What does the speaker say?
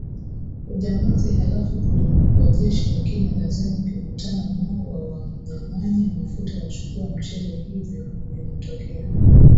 ujambazi halafu kuna wajeshi wengine lazima ukikutana nao wawanyanganye mafuta wachukue mchele hivyo vinatokea